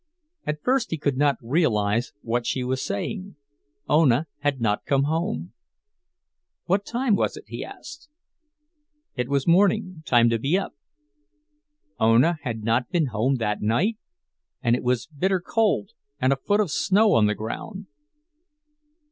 At first he could not realize what she was saying—Ona had not come home. What time was it, he asked. It was morning—time to be up. Ona had not been home that night! And it was bitter cold, and a foot of snow on the ground.